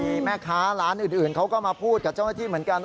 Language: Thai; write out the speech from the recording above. มีแม่ค้าร้านอื่นเขาก็มาพูดกับเจ้าหน้าที่เหมือนกัน